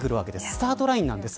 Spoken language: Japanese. スタートラインです。